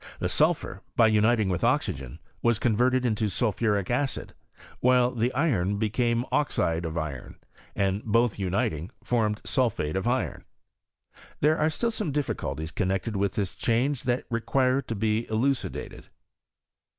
The sulphur, by uniting with oxygen, was converted into sulphuric acid, while the iron became oxide of iron, ana both uniting, formed sulphate of iron. There are still some difGculties connected with this change that require to be elucidated.